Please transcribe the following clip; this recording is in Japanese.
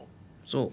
そう。